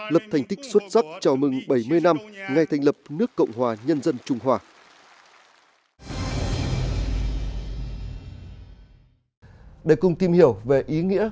năm nay trung quốc kỷ niệm bảy mươi năm ngày thành lập nước cộng hòa nhân dân trung hoa